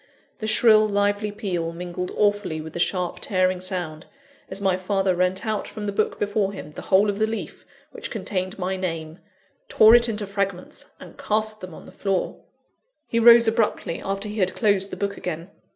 The shrill, lively peal mingled awfully with the sharp, tearing sound, as my father rent out from the book before him the whole of the leaf which contained my name; tore it into fragments, and cast them on the floor. He rose abruptly, after he had closed the book again.